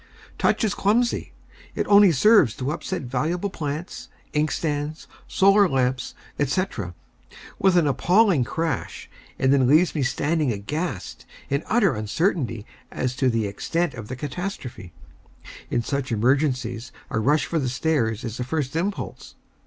Touch is clumsy. It only serves to upset valuable plants, inkstands, solar lamps, &c., with an appalling crash, and then leaves me standing aghast, in utter uncertainty as to the extent of the catastrophe. In such emergencies a rush for the stairs is the first impulse.